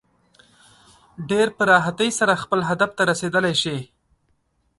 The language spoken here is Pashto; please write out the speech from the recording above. ډېر په راحتۍ سره خپل هدف ته رسېدلی شي.